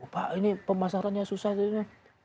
pak ini pemasarannya susah